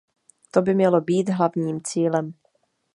To by mělo být hlavním cílem.